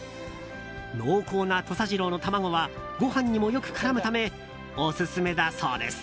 濃厚な土佐ジローの卵はご飯にもよく絡むためオススメだそうです。